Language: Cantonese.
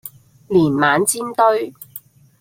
年晚煎堆